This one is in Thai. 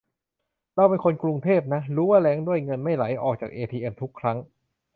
เราเป็นคนกรุงเทพนะ รู้ว่าแล้งด้วย เงินไม่ไหลออกจากเอทีเอ็มทุกครั้ง :'